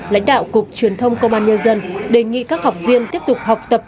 lãnh đạo cục truyền thông công an nhân dân đề nghị các học viên tiếp tục học tập